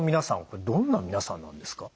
これどんな皆さんなんですか？